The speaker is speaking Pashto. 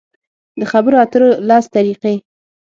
د خبرو اترو لس طریقې: